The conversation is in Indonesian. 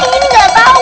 ini gak tau